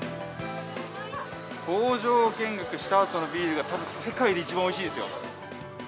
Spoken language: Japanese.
工場見学したあとのビールが、たぶん世界で一番おいしいですよ。